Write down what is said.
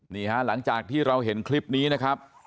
หลังจากที่เราเห็นคลิปนี้นะครับ